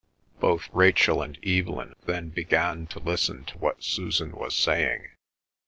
Both Rachel and Evelyn then began to listen to what Susan was saying.